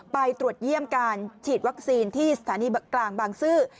ไปตรวจเยี่ยมการฉีดวัคซีนที่สถานีกลางบางซื่อ